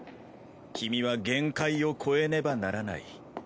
君は限界を超えねばならない。